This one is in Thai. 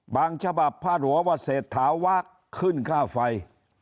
บางฉบับพาดหัวว่าเสถาวากขึ้นข้าวไฟ